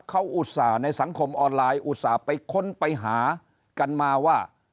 เขาอุตส่าห์ในสังคมออนไลน์อุตส่าห์ไปค้นไปหากันมาว่า